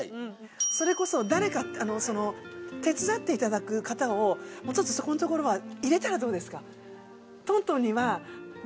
それこそ誰か手伝って頂く方をそこのところは入れたらどうですか？